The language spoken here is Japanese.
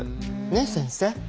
ねえ先生。